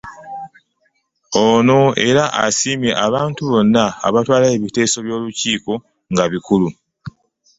Ono era asiimye abantu bonna abatwala ebiteeso by'Olukiiko nga bikulu